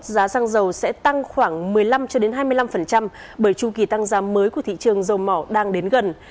giá xăng dầu sẽ tăng khoảng một mươi năm hai mươi năm bởi chu kỳ tăng giá mới của thị trường dầu mỏ đang đến gần